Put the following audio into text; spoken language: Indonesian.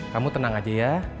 kamu tenang aja ya